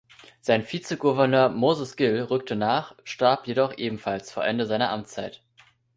Sein Vizegouverneur Moses Gill rückte nach, starb jedoch ebenfalls vor Ende seiner Amtszeit.